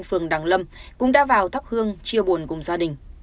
phường đàng lâm cũng đã vào thắp hương chia buồn cùng gia đình